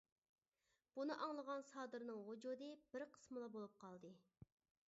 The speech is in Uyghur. بۇنى ئاڭلىغان سادىرنىڭ ۋۇجۇدى بىر قىسمىلا بولۇپ قالدى.